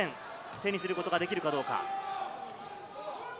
手にすることができるかどうか。